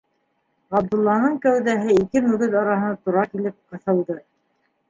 Ғабдулланың кәүҙәһе ике мөгөҙ араһына тура килеп ҡыҫылды.